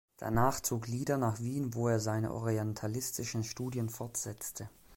Danach zog Lieder nach Wien, wo er seine orientalistischen Studien fortsetzte.